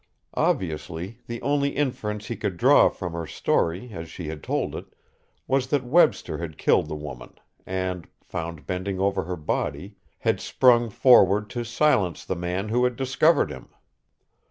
Obviously, the only inference he could draw from her story as she had told it was that Webster had killed the woman and, found bending over her body, had sprung forward to silence the man who had discovered him.